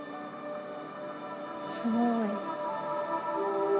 すごい。